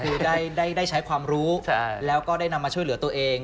คือได้ใช้ความรู้แล้วก็ได้นำมาช่วยเหลือตัวเอง